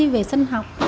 về sinh học